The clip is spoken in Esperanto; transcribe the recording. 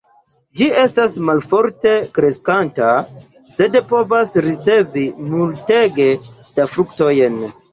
Ĝi estas malforte kreskanta, sed povas ricevi multege da fruktojn.